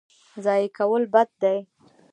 ضایع کول بد دی.